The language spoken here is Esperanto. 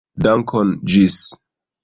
Dankon, ĝis!